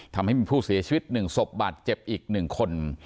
ทำให้มีผู้เสียชีวิต๑ศพบาดเจ็บอีก๑คน